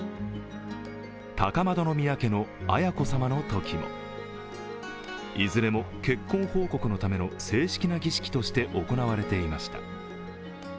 高円宮家の絢子さまのときもいずれも結婚報告のための正式な儀式として行われていました。